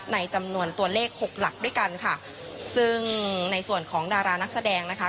ในจำนวนตัวเลขหกหลักด้วยกันค่ะซึ่งในส่วนของดารานักแสดงนะคะ